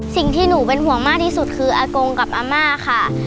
สิ่งที่หนูเป็นห่วงมากที่สุดคืออากงกับอาม่าค่ะ